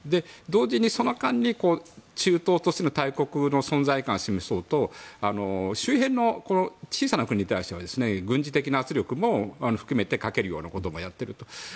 同時に、その間に中東としての大国の存在感を示そうと周辺の小さな国に対しては軍事的な圧力も含めてかけるようなこともやっていると。